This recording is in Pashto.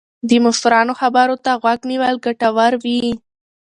د مشرانو خبرو ته غوږ نیول ګټور وي.